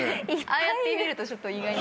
ああやって見るとちょっと意外に。